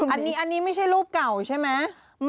อันนี้ไม่ใช่รูปเก่าใช่ไหม